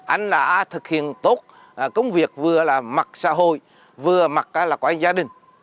anh đã thực hiện tốt công việc vừa là mặc xã hội vừa mặc là quả gia đình